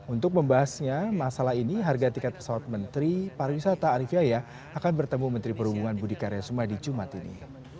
untuk membahasnya masalah ini harga tiket pesawat menteri pariwisata arief yaya akan bertemu menteri perhubungan budi karya sumadi jumat ini